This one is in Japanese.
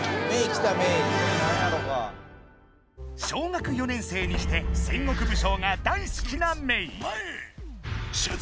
小学４年生にして戦国武将が大好きなメイ。